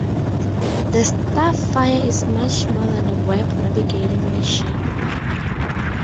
The Starfire is much more than a Web navigating machine.